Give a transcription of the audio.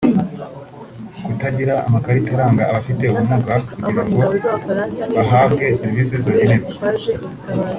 kutagira amakarita aranga abafite ubumuga kugira ngo bahabwe serivisi zibagenerwa